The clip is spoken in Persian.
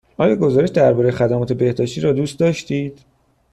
آیا گزارش درباره خدمات بهداشتی را دوست داشتید؟